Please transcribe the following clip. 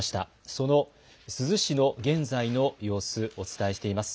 その珠洲市の現在の様子、お伝えしています。